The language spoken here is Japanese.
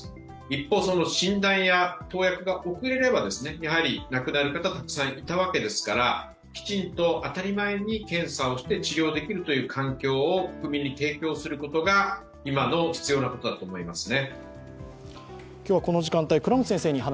一方、診断や投薬が遅れればやはり亡くなる方はたくさんいたわけですから、きちんと当たり前に検査をして治療できるという環境を国民に提供することが今の必要なことだと思います。